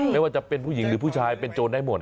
ไม่ว่าจะเป็นผู้หญิงหรือผู้ชายเป็นโจรได้หมด